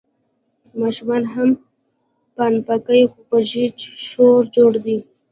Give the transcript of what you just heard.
ماشومان هم پنپنانکي غږوي، شور جوړ دی.